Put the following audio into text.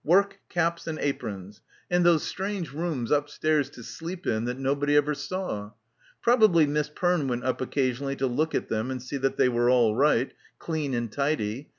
Work, caps and aprons. And those strange — 153 — PILGRIMAGE rooms upstairs to sleep in that nobody ever saw. Probably Miss Perne went up occasionally to look at them and see that they were all right; clean and tidy. .